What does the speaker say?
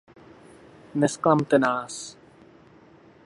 Nezklamte nás!